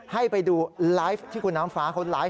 ให้ไปดูไลฟ์ที่คุณน้ำฟ้าเขาไลฟ์